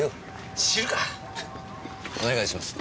フッお願いします。